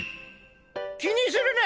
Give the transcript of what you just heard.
気にするな。